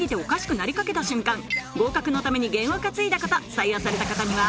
採用された方には